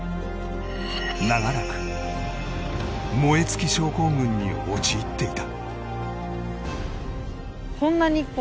長らく燃え尽き症候群に陥っていた。